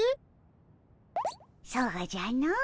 そうじゃの。